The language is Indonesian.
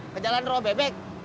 ke jalan ropebek